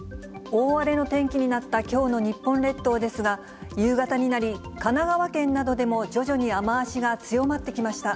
大荒れの天気になったきょうの日本列島ですが、夕方になり、神奈川県などでも徐々に雨足が強まってきました。